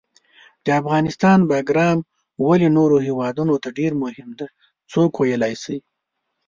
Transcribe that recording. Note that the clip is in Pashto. د افغانستان باګرام ولې نورو هیوادونو ته ډېر مهم ده، څوک ویلای شي؟